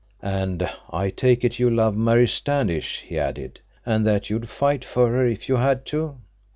"And I take it you love Mary Standish," he added, "and that you'd fight for her if you had to."